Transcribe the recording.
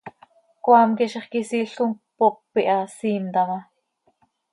Cmaam quih zixquisiil com cpop iha, siim taa ma.